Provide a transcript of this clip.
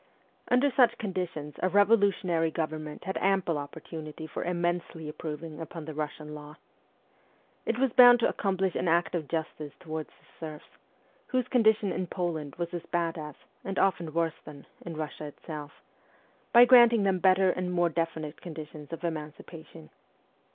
Under such conditions a revolutionary government had ample opportunity for immensely improving upon the Russian law. It was bound to accomplish an act of justice towards the serfs whose condition in Poland was as bad as, and often worse than, in Russia itself by granting them better and more definite conditions of emancipation.